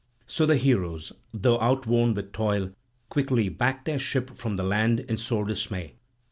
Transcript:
So the heroes, though outworn with toil, quickly backed their ship from the land in sore dismay.